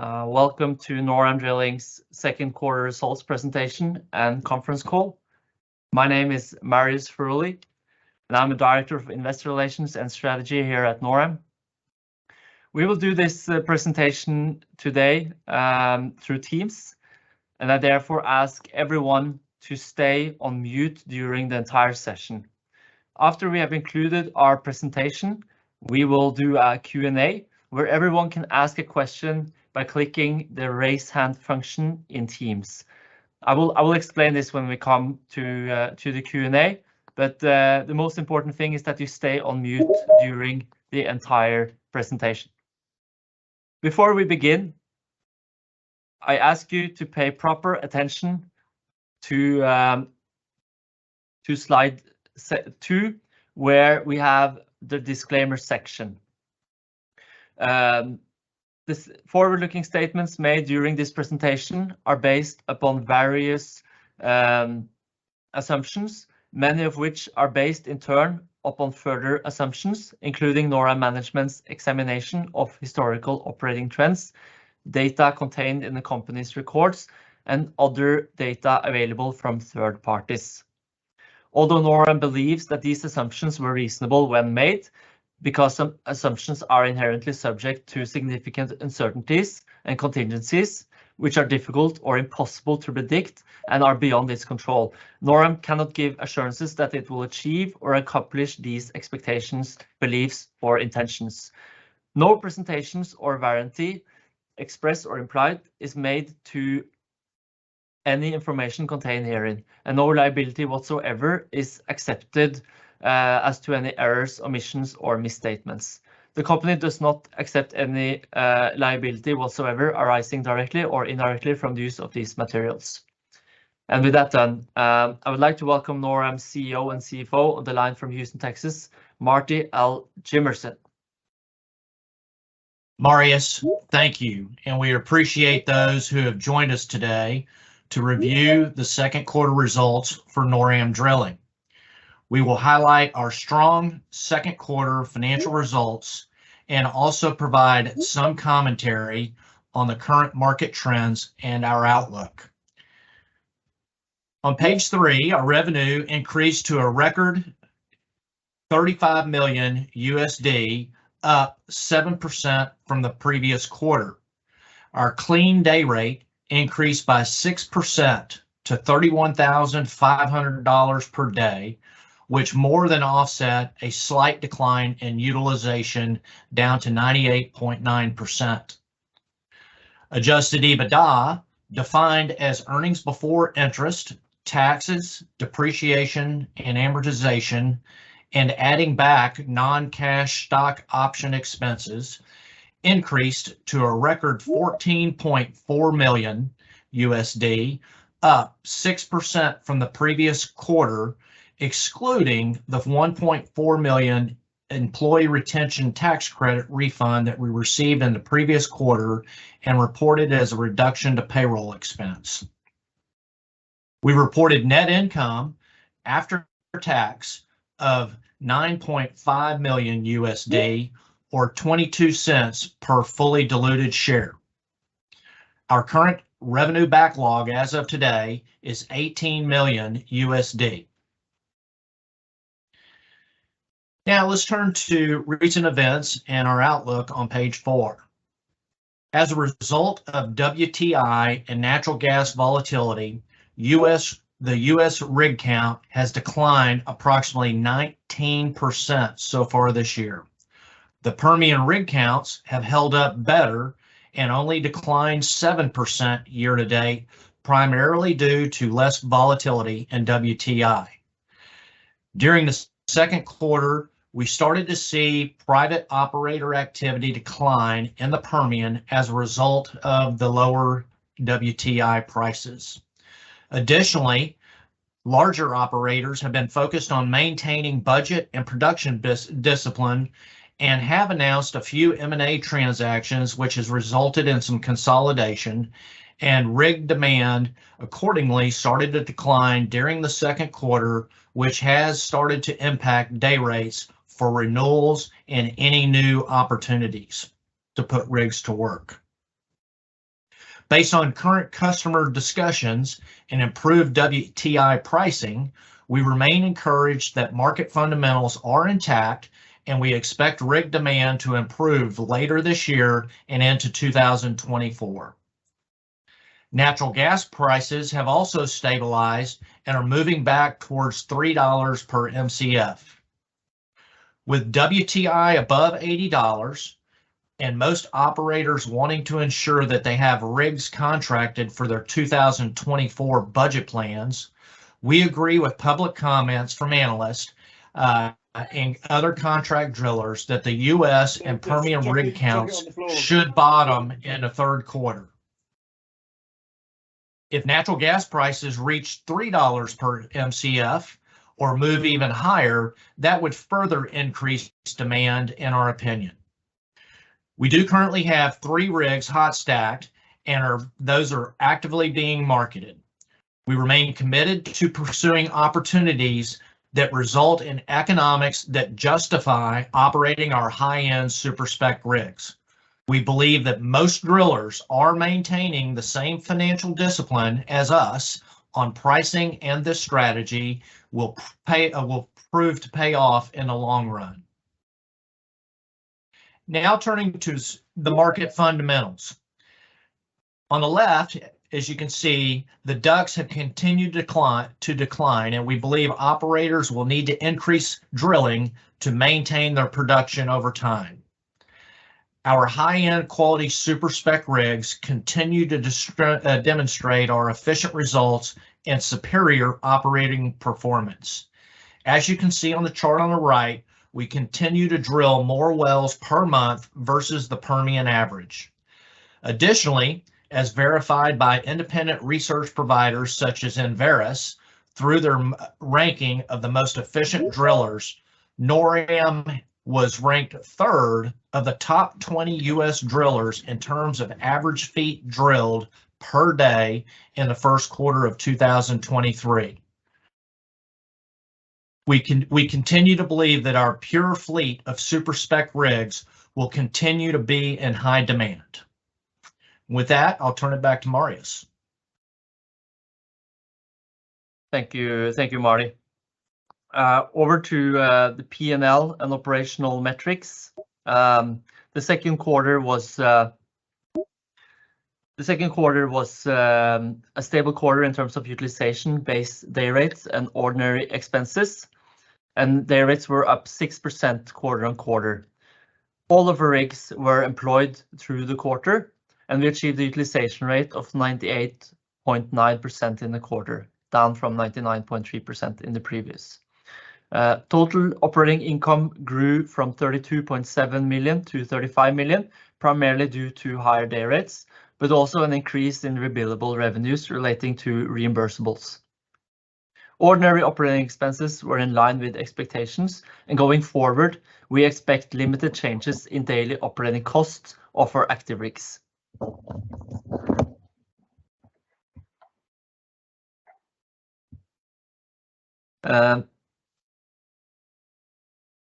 Welcome to NorAm Drilling's second quarter results presentation and conference call. My name is Marius Furuly, and I'm the Director of Investor Relations and Strategy here at NorAm. We will do this presentation today through Teams, and I therefore ask everyone to stay on mute during the entire session. After we have concluded our presentation, we will do a Q&A, where everyone can ask a question by clicking the raise hand function in Teams. I will, I will explain this when we come to the Q&A, but the most important thing is that you stay on mute during the entire presentation. Before we begin, I ask you to pay proper attention to slide two, where we have the disclaimer section. This forward-looking statements made during this presentation are based upon various assumptions, many of which are based, in turn, upon further assumptions, including NorAm management's examination of historical operating trends, data contained in the company's records, and other data available from third parties. Although NorAm believes that these assumptions were reasonable when made, because some assumptions are inherently subject to significant uncertainties and contingencies, which are difficult or impossible to predict and are beyond its control, NorAm cannot give assurances that it will achieve or accomplish these expectations, beliefs, or intentions. No presentations or warranty, express or implied, is made to any information contained herein, and no liability whatsoever is accepted as to any errors, omissions, or misstatements. The company does not accept any liability whatsoever arising directly or indirectly from the use of these materials. With that done, I would like to welcome NorAm's CEO and CFO on the line from Houston, Texas, Marty L. Jimmerson. Marius, thank you. We appreciate those who have joined us today to review the second quarter results for NorAm Drilling. We will highlight our strong second quarter financial results and also provide some commentary on the current market trends and our outlook. On page three, our revenue increased to a record $35 million, up 7% from the previous quarter. Our clean day rate increased by 6% to $31,500 per day, which more than offset a slight decline in utilization down to 98.9%. Adjusted EBITDA, defined as earnings before interest, taxes, depreciation, and amortization, and adding back non-cash stock option expenses, increased to a record $14.4 million, up 6% from the previous quarter, excluding the $1.4 million Employee Retention Credit refund that we received in the previous quarter and reported as a reduction to payroll expense. We reported net income after tax of $9.5 million, or $0.22 per fully diluted share. Our current revenue backlog, as of today, is $18 million. Let's turn to recent events and our outlook on page four. As a result of WTI and natural gas volatility, the U.S. rig count has declined approximately 19% so far this year. The Permian rig counts have held up better and only declined 7% year-to-date, primarily due to less volatility in WTI. During the second quarter, we started to see private operator activity decline in the Permian as a result of the lower WTI prices. Additionally, larger operators have been focused on maintaining budget and production discipline and have announced a few M&A transactions, which has resulted in some consolidation, and rig demand accordingly started to decline during the second quarter, which has started to impact day rates for renewals and any new opportunities to put rigs to work. Based on current customer discussions and improved WTI pricing, we remain encouraged that market fundamentals are intact, and we expect rig demand to improve later this year and into 2024. Natural gas prices have also stabilized and are moving back towards $3 per Mcf. With WTI above $80, and most operators wanting to ensure that they have rigs contracted for their 2024 budget plans, we agree with public comments from analysts, and other contract drillers that the U.S. and Permian rig counts should bottom in the third quarter. If natural gas prices reach $3 per Mcf or move even higher, that would further increase demand, in our opinion. We do currently have three rigs hot stacked, and those are actively being marketed. We remain committed to pursuing opportunities that result in economics that justify operating our high-end super-spec rigs. We believe that most drillers are maintaining the same financial discipline as us on pricing, and this strategy will prove to pay off in the long run. Now, turning to the market fundamentals. On the left, as you can see, the DUCs have continued to decline. We believe operators will need to increase drilling to maintain their production over time. Our high-end quality super-spec rigs continue to demonstrate our efficient results and superior operating performance. As you can see on the chart on the right, we continue to drill more wells per month versus the Permian average. Additionally, as verified by independent research providers such as Enverus, through their ranking of the most efficient drillers, NorAm was ranked third of the top 20 U.S. drillers in terms of average feet drilled per day in the first quarter of 2023. We continue to believe that our pure fleet of super-spec rigs will continue to be in high demand. With that, I'll turn it back to Marius. Thank you. Thank you, Marty. Over to the P&L and operational metrics. The second quarter was a stable quarter in terms of utilization-based day rates and ordinary expenses, and day rates were up 6% quarter-on-quarter. All of our rigs were employed through the quarter, and we achieved the utilization rate of 98.9% in the quarter, down from 99.3% in the previous. Total operating income grew from $32.7 million to $35 million, primarily due to higher day rates, but also an increase in billable revenues relating to reimbursables. Ordinary operating expenses were in line with expectations, and going forward, we expect limited changes in daily operating costs of our active rigs.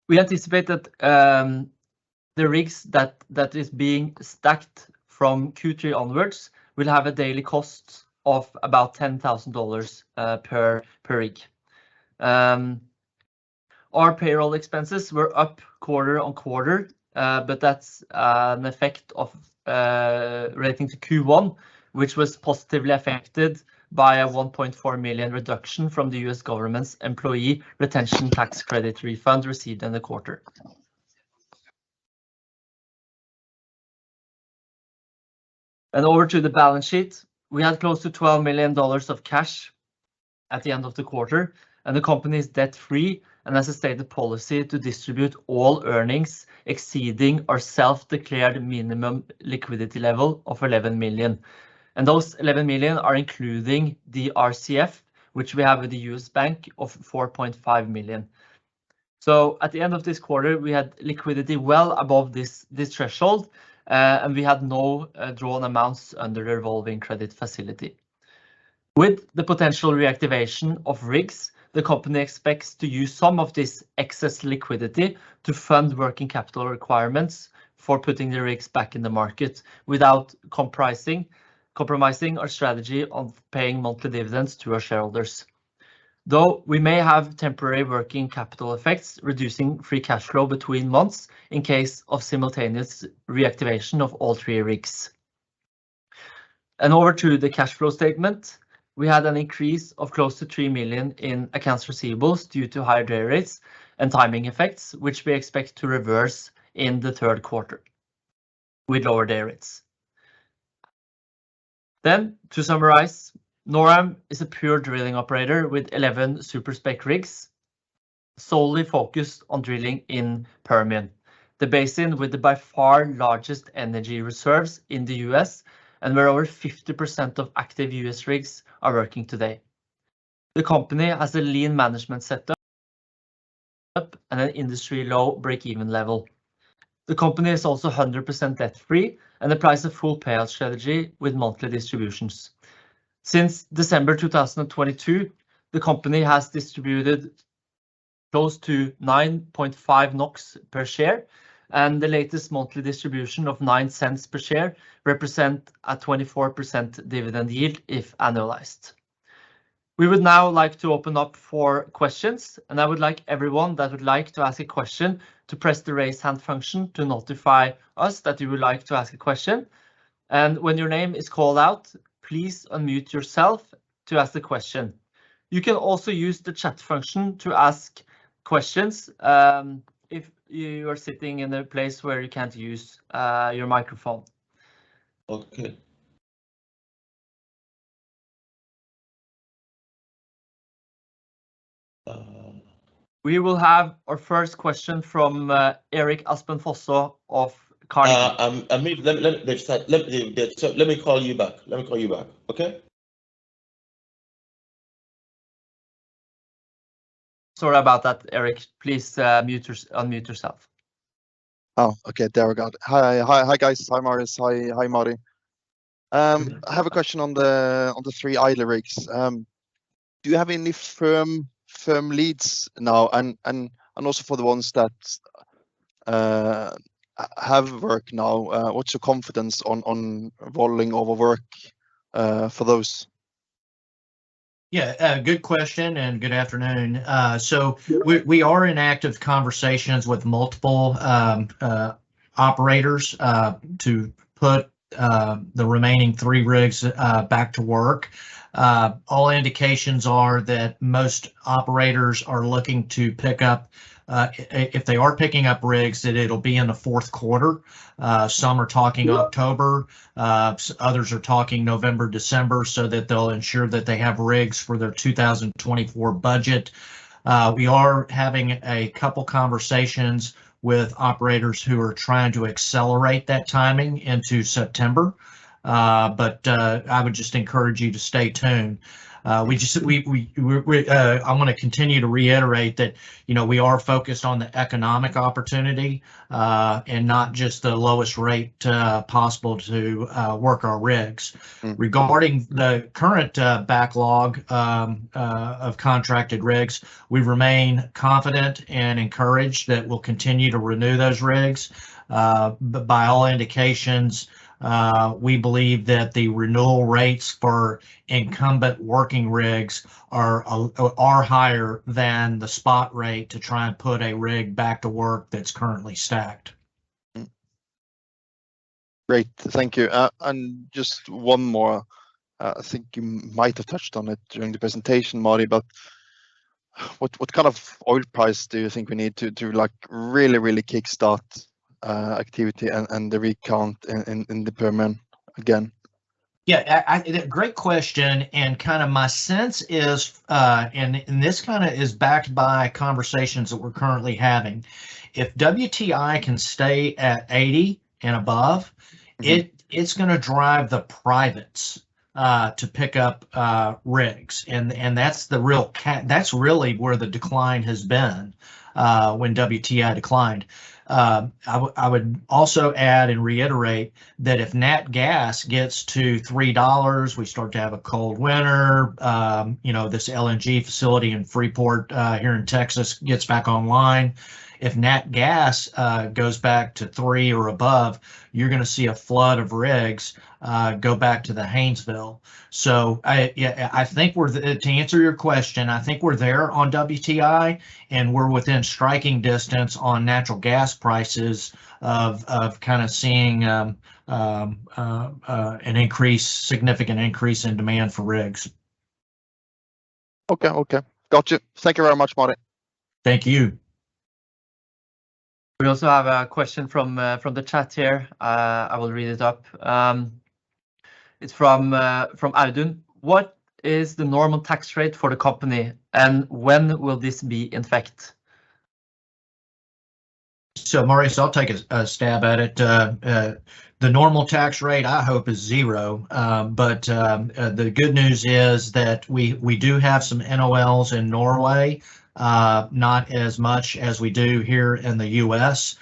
We anticipate that the rigs that, that is being stacked from Q3 onwards will have a daily cost of about $10,000 per, per rig. Our payroll expenses were up quarter-on-quarter, but that's an effect of relating to Q1, which was positively affected by a $1.4 million reduction from the U.S. government's Employee Retention Credit refund received in the quarter. Over to the balance sheet, we had close to $12 million of cash at the end of the quarter, and the company is debt-free and has a stated policy to distribute all earnings exceeding our self-declared minimum liquidity level of $11 million. Those $11 million are including the RCF, which we have with the U.S. bank of $4.5 million. At the end of this quarter, we had liquidity well above this, this threshold, and we had no drawn amounts under the revolving credit facility. With the potential reactivation of rigs, the company expects to use some of this excess liquidity to fund working capital requirements for putting the rigs back in the market without comprising, compromising our strategy of paying monthly dividends to our shareholders. Though, we may have temporary working capital effects, reducing free cash flow between months in case of simultaneous reactivation of all three rigs. Over to the cash flow statement, we had an increase of close to $3 million in accounts receivables due to higher day rates and timing effects, which we expect to reverse in the third quarter with lower day rates. To summarize, NorAm is a pure drilling operator with 11 super-spec rigs solely focused on drilling in Permian, the basin with the by far largest energy reserves in the U.S., and where over 50% of active U.S. rigs are working today. The company has a lean management setup, and an industry-low break-even level. The company is also 100% debt-free and applies a full payout strategy with monthly distributions. Since December 2022, the company has distributed close to 9.5 NOKs per share, and the latest monthly distribution of $0.09 per share represent a 24% dividend yield if analyzed. We would now like to open up for questions, and I would like everyone that would like to ask a question to press the Raise Hand function to notify us that you would like to ask a question. When your name is called out, please unmute yourself to ask the question. You can also use the chat function to ask questions, if you are sitting in a place where you can't use your microphone. Okay. We will have our first question from Eirik Aasbø of Carnegie. Let me call you back. Let me call you back, okay? Sorry about that, Eirik. Please, unmute yourself. Oh, okay. There we go. Hi, hi, hi, guys. Hi, Marius. Hi, hi, Marty. I have a question on the, on the three idle rigs. Do you have any firm, firm leads now? Also for the ones that have work now, what's your confidence on, on rolling over work, for those? Yeah, good question, and good afternoon. We, we are in active conversations with multiple operators, to put the remaining three rigs back to work. All indications are that most operators are looking to pick up... if they are picking up rigs, that it'll be in the fourth quarter. Some are talking- Yeah... October, others are talking November, December, so that they'll ensure that they have rigs for their 2024 budget. We are having a couple conversations with operators who are trying to accelerate that timing into September. I would just encourage you to stay tuned. I wanna continue to reiterate that, you know, we are focused on the economic opportunity and not just the lowest rate possible to work our rigs. Mm-hmm. Regarding the current backlog of contracted rigs, we remain confident and encouraged that we'll continue to renew those rigs. By all indications, we believe that the renewal rates for incumbent working rigs are higher than the spot rate to try and put a rig back to work that's currently stacked. Great. Thank you. Just one more. I think you might have touched on it during the presentation, Marty, but what, what kind of oil price do you think we need to, to, like, really, really kickstart activity and, and the rig count in, in, in the Permian again? Yeah, great question, and kind of my sense is, and, and this kind of is backed by conversations that we're currently having. If WTI can stay at 80 and above. Mm It's gonna drive the privates to pick up rigs. That's the real that's really where the decline has been when WTI declined. I would, I would also add and reiterate that if nat gas gets to $3, we start to have a cold winter, you know, this LNG facility in Freeport here in Texas gets back online. If nat gas goes back to $3 or above, you're gonna see a flood of rigs go back to the Haynesville. I, yeah, I think we're to answer your question, I think we're there on WTI, and we're within striking distance on natural gas prices of, of kind of seeing an increase, significant increase in demand for rigs. Okay, okay. Gotcha. Thank you very much, Marty. Thank you. We also have a question from from the chat here. I will read it up. It's from from Aldon: "What is the normal tax rate for the company, and when will this be in effect? Marius, I'll take a stab at it. The normal tax rate, I hope, is 0. The good news is that we, we do have some NOLs in Norway, not as much as we do here in the U.S.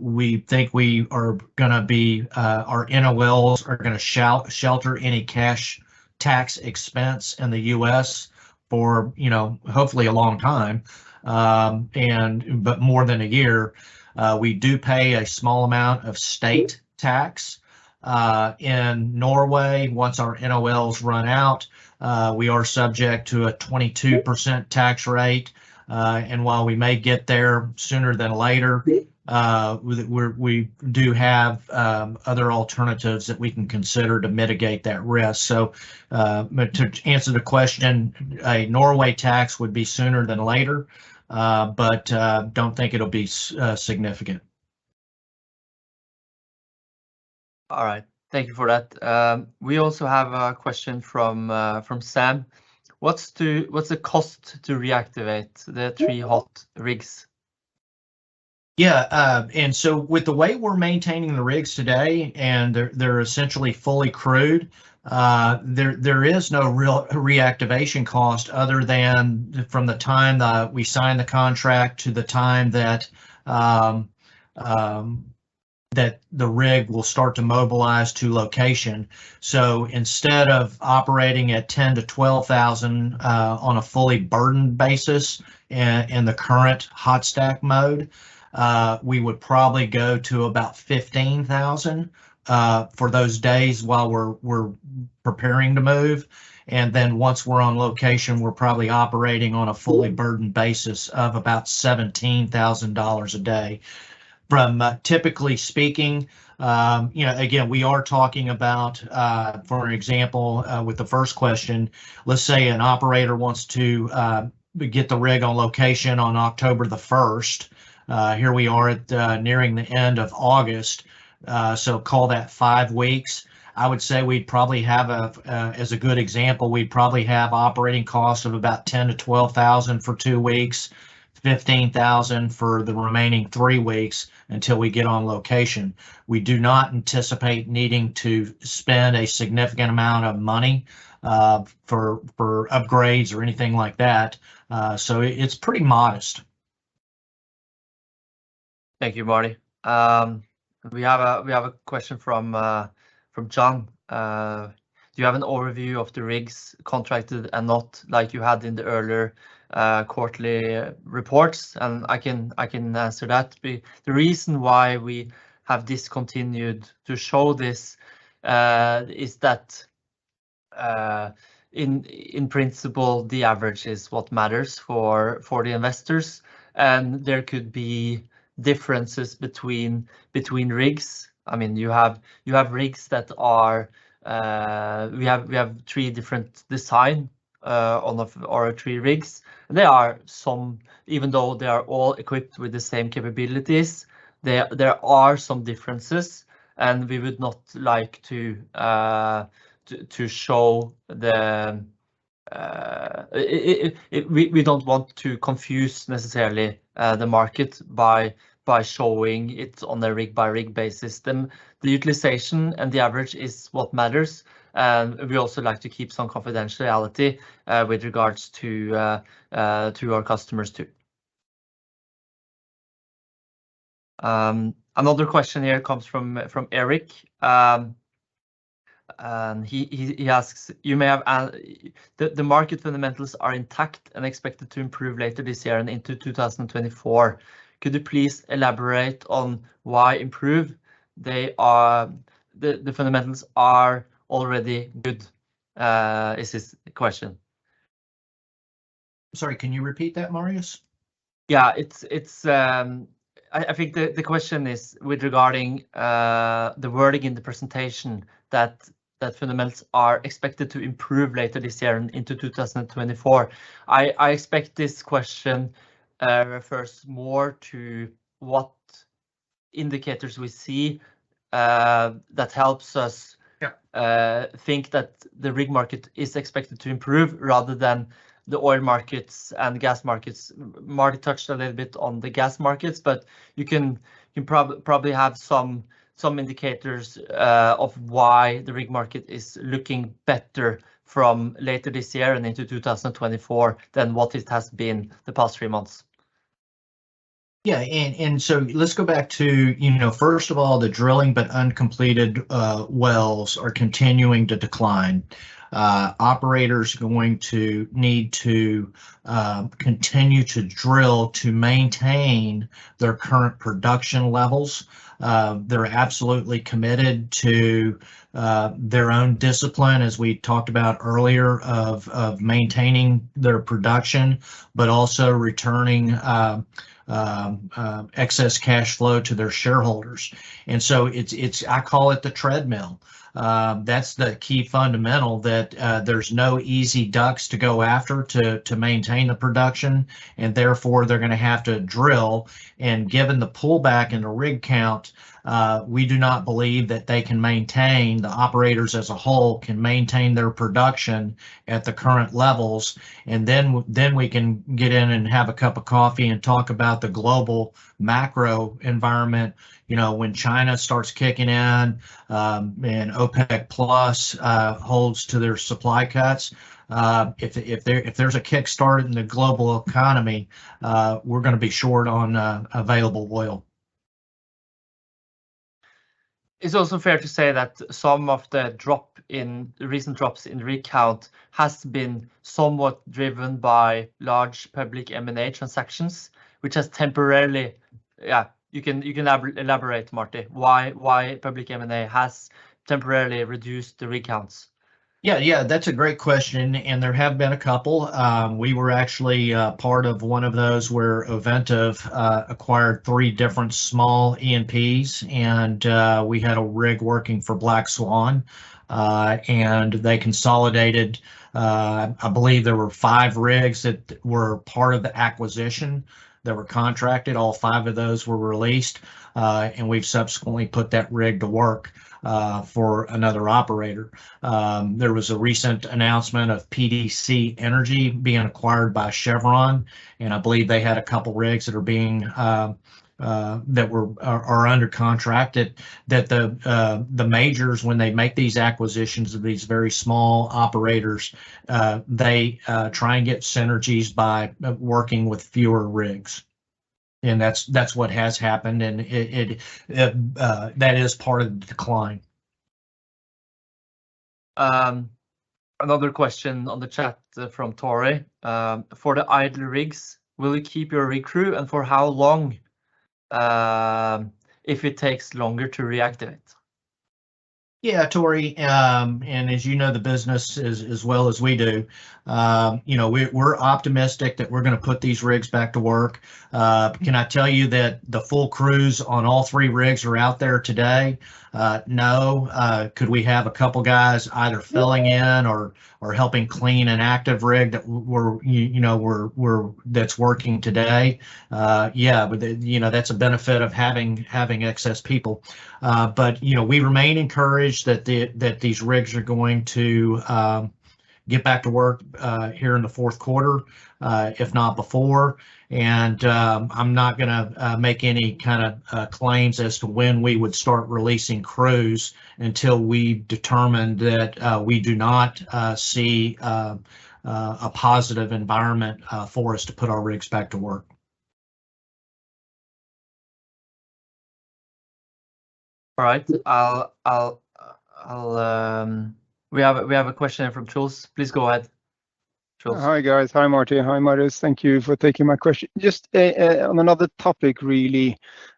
We think we are gonna be, our NOLs are gonna shelter any cash tax expense in the U.S. for, you know, hopefully a long time, more than a year. We do pay a small amount of state tax- Mm... in Norway. Once our NOLs run out, we are subject to a 22%- Mm... tax rate. while we may get there sooner than later- Mm We're, we do have other alternatives that we can consider to mitigate that risk. But to answer the question, a Norway tax would be sooner than later, but don't think it'll be significant. All right. Thank you for that. We also have a question from, from Sam: "What's what's the cost to reactivate the three- Mm... hot rigs? Yeah, so with the way we're maintaining the rigs today, and they're, they're essentially fully crewed, there, there is no real reactivation cost other than from the time that we sign the contract to the time that, that the rig will start to mobilize to location. Instead of operating at $10,000-$12,000, on a fully burdened basis in the current hot stack mode, we would probably go to about $15,000, for those days while we're, we're preparing to move, and then once we're on location, we're probably operating on a fully burdened basis. Mm... of about $17,000 a day. From, typically speaking, you know, again, we are talking about, for example, with the first question, let's say an operator wants to get the rig on location on October the 1st. Here we are at nearing the end of August, so call that five weeks. I would say we'd probably have, as a good example, we'd probably have operating costs of about $10,000-$12,000 for two weeks. $15,000 for the remaining three weeks until we get on location. We do not anticipate needing to spend a significant amount of money, for, for upgrades or anything like that, so it, it's pretty modest. Thank you, Marty. We have a question from John. "Do you have an overview of the rigs contracted and not like you had in the earlier quarterly reports?" I can answer that. The reason why we have discontinued to show this is that in principle, the average is what matters for the investors, and there could be differences between rigs. I mean, you have rigs that are... We have three different design on the Aura3 rigs, and there are some even though they are all equipped with the same capabilities, there are some differences, and we would not like to to show the... we don't want to confuse necessarily the market by showing it on a rig-by-rig basis. The utilization and the average is what matters. We also like to keep some confidentiality with regards to to our customers, too. Another question here comes from Eirik. He asks, "You may have the market fundamentals are intact and expected to improve later this year and into 2024. Could you please elaborate on why improve? They are. The fundamentals are already good," is his question. Sorry, can you repeat that, Marius? Yeah, it's. I think the question is with regarding the wording in the presentation that fundamentals are expected to improve later this year and into 2024. I expect this question refers more to what indicators we see that helps us... Yeah... think that the rig market is expected to improve rather than the oil markets and gas markets. Marty touched a little bit on the gas markets, but you can, you probably, probably have some, some indicators of why the rig market is looking better from later this year and into 2024 than what it has been the past three months. Yeah, let's go back to, you know, first of all, the drilling, but uncompleted, wells are continuing to decline. Operators are going to need to continue to drill to maintain their current production levels. They're absolutely committed to their own discipline, as we talked about earlier, of maintaining their production, but also returning excess cash flow to their shareholders. So it's, it's, I call it the treadmill. That's the key fundamental, that there's no easy DUCs to go after to maintain the production, and therefore, they're gonna have to drill. Given the pullback in the rig count, we do not believe that they can maintain, the operators as a whole can maintain their production at the current levels. Then, then we can get in and have a cup of coffee and talk about the global macro environment. You know, when China starts kicking in, and OPEC+ holds to their supply cuts, if, if there, if there's a kickstart in the global economy, we're gonna be short on available oil. It's also fair to say that some of the drop in- the recent drops in rig count has been somewhat driven by large public M&A transactions, which has temporarily... Yeah, you can, you can elaborate, Marty, why, why public M&A has temporarily reduced the rig counts. Yeah, yeah, that's a great question. There have been two. We were actually part of one of those, where Ovintiv acquired three different small E&Ps. We had a rig working for Black Swan. They consolidated, I believe there were five rigs that were part of the acquisition that were contracted. All five of those were released, we've subsequently put that rig to work for another operator. There was a recent announcement of PDC Energy being acquired by Chevron. I believe they had two rigs that are under contract, that the majors, when they make these acquisitions of these very small operators, they try and get synergies by working with fewer rigs. That's, that's what has happened, and it, it, that is part of the decline. Another question on the chat from Tore: "For the idle rigs, will you keep your rig crew, and for how long, if it takes longer to reactivate? Yeah, Tore, as you know the business as, as well as we do, you know, we're optimistic that we're gonna put these rigs back to work. Can I tell you that the full crews on all three rigs are out there today? No. Could we have a couple guys either filling in or, or helping clean an active rig that you know, that's working today? Yeah, but you know, that's a benefit of having, having excess people. You know, we remain encouraged that these rigs are going to get back to work here in the fourth quarter, if not before. I'm not gonna make any kind of claims as to when we would start releasing crews until we determine that we do not see a positive environment for us to put our rigs back to work. All right. I'll, I'll, I'll... We have a, we have a question in from Truls. Please go ahead, Truls. Hi, guys. Hi, Marty. Hi, Marius. Thank you for taking my question. Just on another topic, really,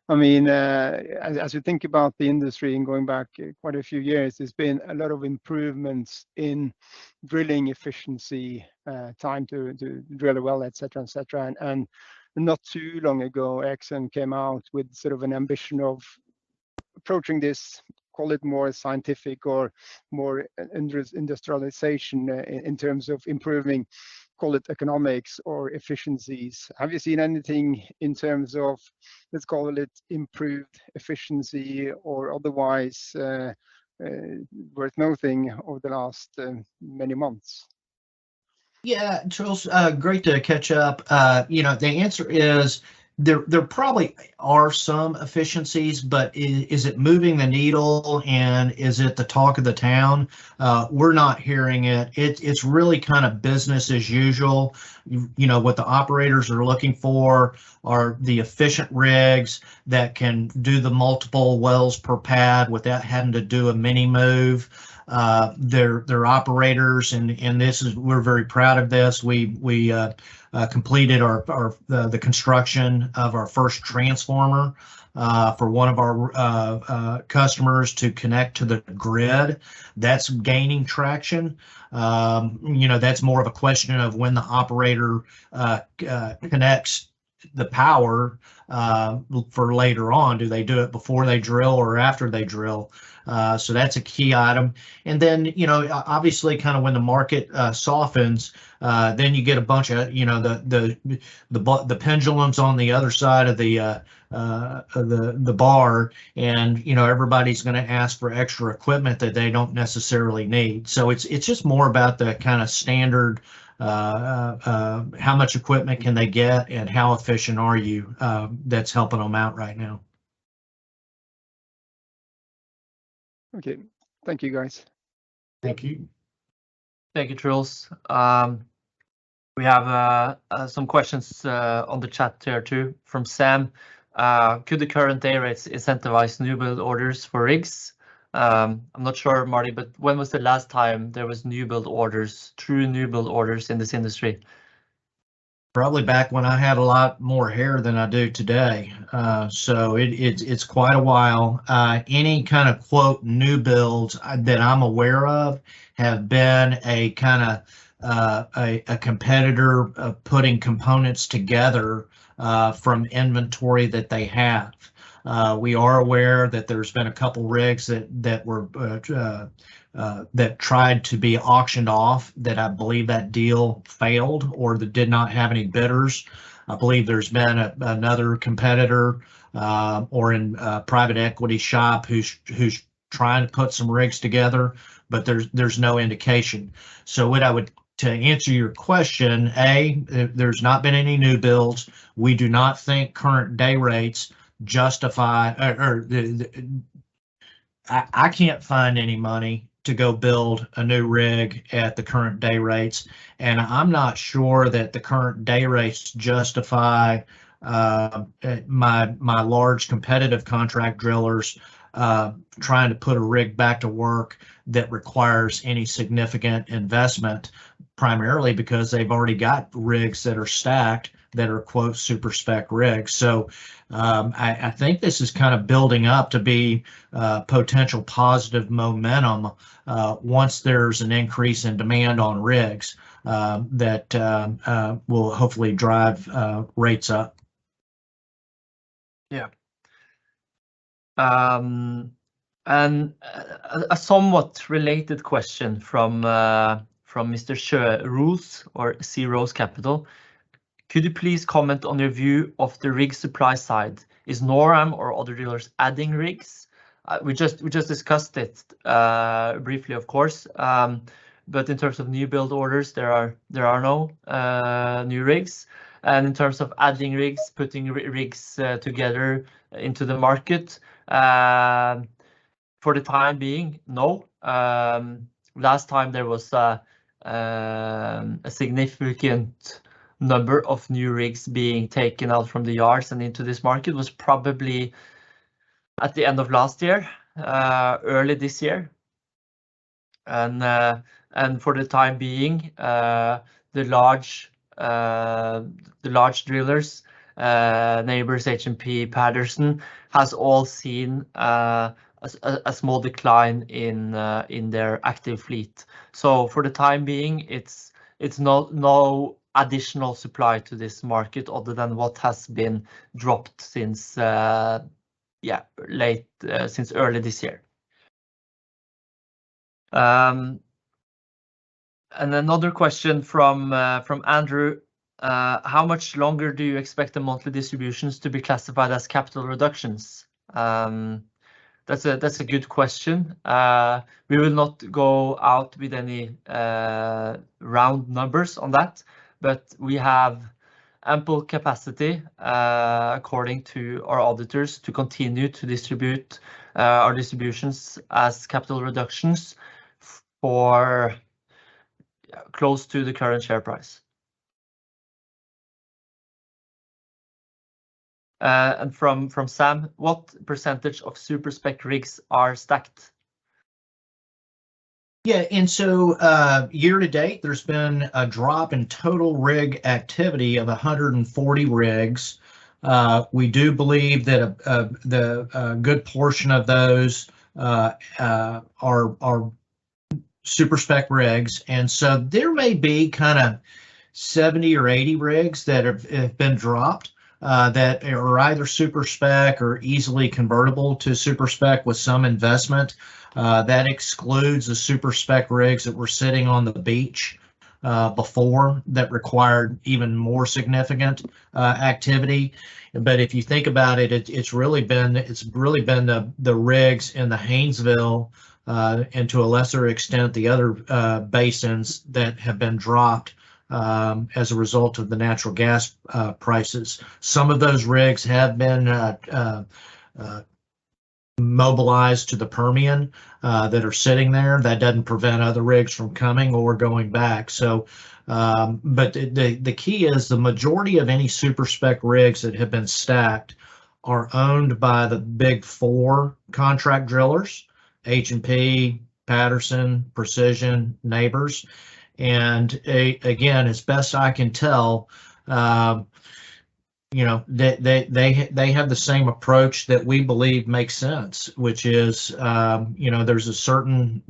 I mean, as, as you think about the industry and going back quite a few years, there's been a lot of improvements in drilling efficiency, time to, to drill a well, et cetera, et cetera. Not too long ago, Exxon came out with sort of an ambition of approaching this, call it more scientific or more industrialization in terms of improving, call it economics or efficiencies. Have you seen anything in terms of, let's call it improved efficiency or otherwise, worth noting over the last many months? Yeah, Truls, great to catch up. You know, the answer is there, there probably are some efficiencies, but is it moving the needle, and is it the talk of the town? We're not hearing it. It's, it's really kind of business as usual. You know, what the operators are looking for are the efficient rigs that can do the multiple wells per pad without having to do a mini move. Their, their operators, and, and this is... We're very proud of this. We, we completed our, our, the, the construction of our first transformer, for one of our customers to connect to the grid. That's gaining traction. You know, that's more of a question of when the operator connects the power for later on. Do they do it before they drill or after they drill? That's a key item. Then, you know, obviously, kind of when the market softens, then you get a bunch of, you know, the, the, the pendulum's on the other side of the, the, the bar, and, you know, everybody's gonna ask for extra equipment that they don't necessarily need. It's, it's just more about the kind of standard, how much equipment can they get and how efficient are you, that's helping them out right now. Okay. Thank you, guys. Thank you. Thank you, Truls. We have some questions on the chat here, too, from Sam. "Could the current day rates incentivize new-build orders for rigs?" I'm not sure, Marty, but when was the last time there was new-build orders, true new-build orders in this industry? Probably back when I had a lot more hair than I do today. It's, it's quite a while. Any kind of, quote, "new builds" that I'm aware of have been a kind of, a competitor, putting components together, from inventory that they have. We are aware that there's been two rigs that, that were, that tried to be auctioned off, that I believe that deal failed or that did not have any bidders. I believe there's been another competitor, or a private equity shop who's, who's trying to put some rigs together, but there's, there's no indication. What I would... To answer your question, A, there's not been any new builds. We do not think current day rates justify, or the, the... I, I can't find any money to go build a new rig at the current day rates, and I'm not sure that the current day rates justify, my, my large competitive contract drillers, trying to put a rig back to work that requires any significant investment, primarily because they've already got rigs that are stacked that are, quote, "super-spec rigs." I, I think this is kind of building up to be potential positive momentum, once there's an increase in demand on rigs that will hopefully drive rates up. Yeah. A somewhat related question from [Mr. Sjoeros, or Sjoeros Capital: "Could you please comment on your view of the rig supply side? Is NorAm or other drillers adding rigs?" We just, we just discussed it briefly, of course. But in terms of new-build orders, there are, there are no new rigs. In terms of adding rigs, putting rigs together into the market, for the time being, no. Last time there was a significant number of new rigs being taken out from the yards and into this market was probably at the end of last year, early this year. For the time being, the large drillers, Nabors, H&P, Patterson, has all seen a small decline in their active fleet. For the time being, it's, it's no no additional supply to this market other than what has been dropped since, yeah, late, since early this year. Another question from Andrew, how much longer do you expect the monthly distributions to be classified as capital reductions? That's a, that's a good question. We will not go out with any round numbers on that, but we have ample capacity, according to our auditors, to continue to distribute our distributions as capital reductions for close to the current share price. From, from Sam, "What % of super-spec rigs are stacked? Yeah, year-to-date, there's been a drop in total rig activity of 140 rigs. We do believe that the good portion of those are super-spec rigs. There may be kind of 70 or 80 rigs that have been dropped that are either super-spec or easily convertible to super-spec with some investment. That excludes the super-spec rigs that were sitting on the beach before that required even more significant activity. If you think about it, it's really been the rigs in the Haynesville and to a lesser extent, the other basins that have been dropped as a result of the natural gas prices. Some of those rigs have been mobilized to the Permian, that are sitting there. That doesn't prevent other rigs from coming or going back, so. The key is the majority of any super-spec rigs that have been stacked are owned by the Big Four contract drillers, H&P, Patterson, Precision, Nabors. Again, as best I can tell, you know, they, they, they, they have the same approach that we believe makes sense, which is, you know, there's a certain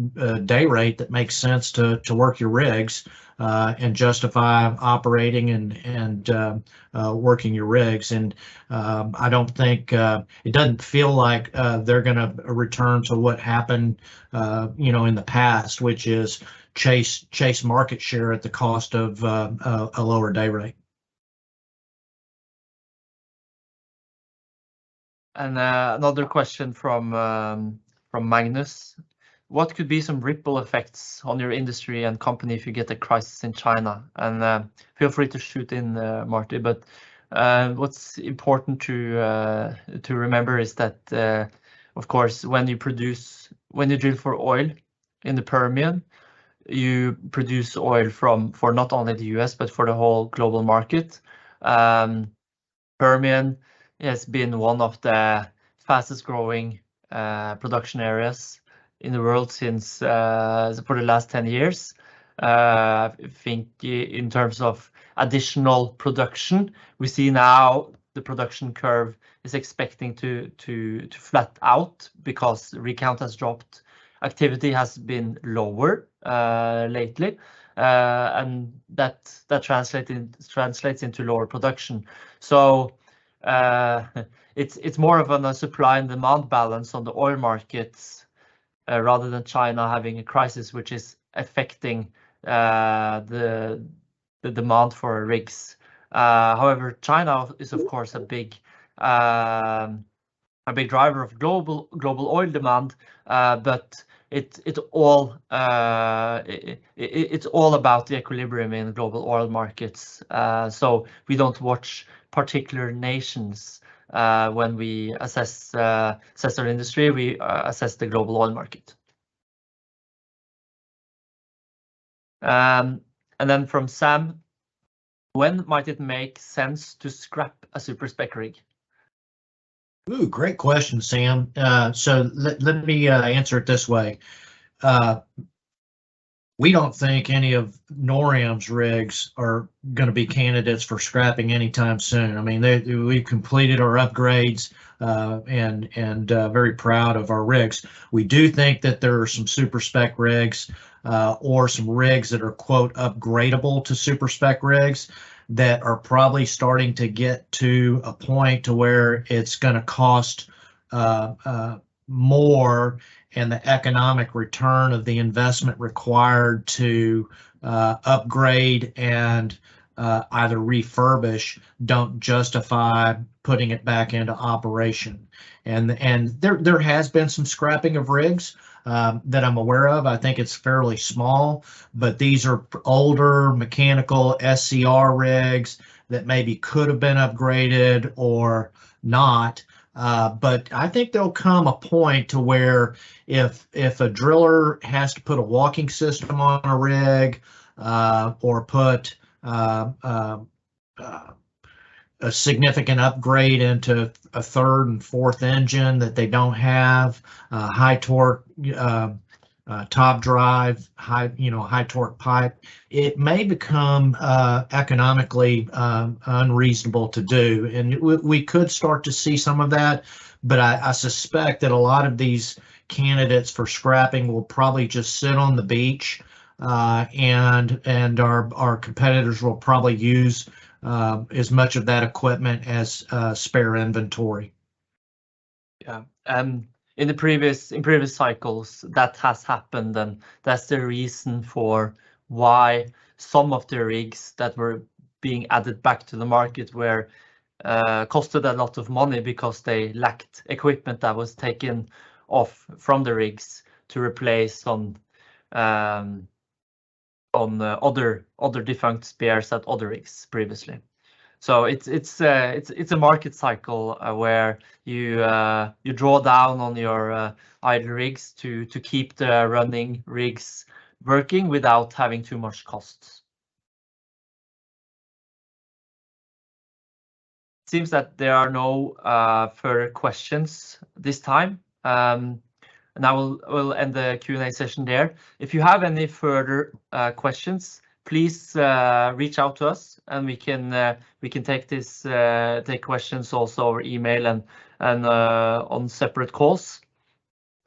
day rate that makes sense to, to work your rigs, and justify operating and working your rigs. I don't think. It doesn't feel like, they're gonna return to what happened, you know, in the past, which is chase, chase market share at the cost of, a, a lower day rate. Another question from Magnus: "What could be some ripple effects on your industry and company if you get a crisis in China?" Feel free to shoot in Marty, but what's important to remember is that, of course, when you drill for oil in the Permian, you produce oil for not only the U.S., but for the whole global market. Permian has been one of the fastest growing production areas in the world since for the last 10 years. I think in terms of additional production, we see now the production curve is expecting to flat out because rig count has dropped. Activity has been lower lately, and that translates into lower production. It's, it's more of on a supply and demand balance on the oil markets, rather than China having a crisis which is affecting the demand for rigs. However, China is, of course, a big, a big driver of global, global oil demand. It, it all, it's all about the equilibrium in the global oil markets. We don't watch particular nations, when we assess, assess our industry, we, assess the global oil market. From Sam: "When might it make sense to scrap a super-spec rig? Ooh, great question, Sam. Let me answer it this way. We don't think any of NorAm's rigs are gonna be candidates for scrapping anytime soon. I mean, they, we've completed our upgrades and very proud of our rigs. We do think that there are some super-spec rigs, or some rigs that are, quote, "upgradeable" to super-spec rigs that are probably starting to get to a point to where it's gonna cost more, and the economic return of the investment required to upgrade and either refurbish don't justify putting it back into operation. There has been some scrapping of rigs that I'm aware of. I think it's fairly small, but these are older mechanical SCR rigs that maybe could have been upgraded or not. I think there'll come a point to where if, if a driller has to put a walking system on a rig, or put a significant upgrade into a third and fourth engine that they don't have, a high torque top drive, high, you know, high torque pipe, it may become economically unreasonable to do. We could start to see some of that, but I, I suspect that a lot of these candidates for scrapping will probably just sit on the beach, and our, our competitors will probably use as much of that equipment as spare inventory. Yeah, in previous cycles, that has happened, and that's the reason for why some of the rigs that were being added back to the market were costed a lot of money because they lacked equipment that was taken off from the rigs to replace on the other, other defunct spares at other rigs previously. It's, it's, it's a market cycle where you draw down on your idle rigs to keep the running rigs working without having too much costs. Seems that there are no further questions this time. I will, we'll end the Q&A session there. If you have any further questions, please reach out to us, and we can take this, take questions also over email and, and, on separate calls.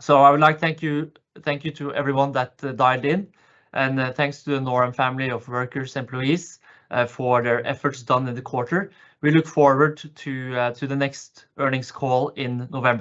I would like to thank you, thank you to everyone that dialed in, and thanks to the NorAm family of workers, employees, for their efforts done in the quarter. We look forward to the next earnings call in November.